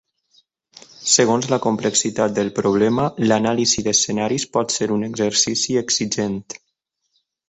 Segons la complexitat del problema, l'anàlisi d'escenaris pot ser un exercici exigent.